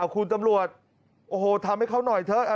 คุณตำรวจโอ้โหทำให้เขาหน่อยเถอะ